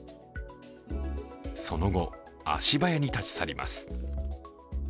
その後、足早に立ち去ります。